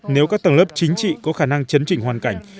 nếu các tầng lớp chính trị có khả năng chấn chỉnh hoàn cảnh